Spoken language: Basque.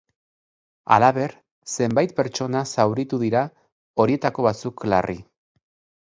Halaber, zenbait pertsona zauritu dira, horietako batzuk larri.